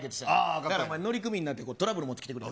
だからお前、乗組員になってトラブル持ってきてくれる。